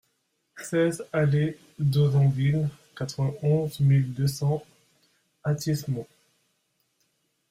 seize allée d'Ozonville, quatre-vingt-onze mille deux cents Athis-Mons